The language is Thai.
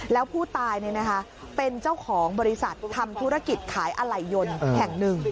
แล้วผู้ตายเป็นเจ้าของบริษัททำธุรกิจขายอะไหล่ยนต์แห่งหนึ่ง